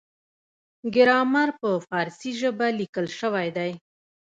ګرامر په پارسي ژبه لیکل شوی دی.